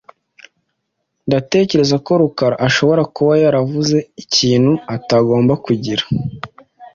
Ndatekereza ko Rukara ashobora kuba yaravuze ikintu atagomba kugira.